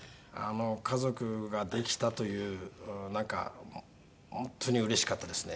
家族ができたというなんか本当にうれしかったですね。